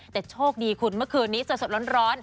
แต่โชคดีคุณเมื่อคืนนี้สดร้อน